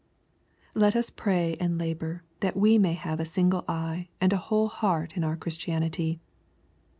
Let us pray and labor that we may have a single eye and a whole heart in our Christianity.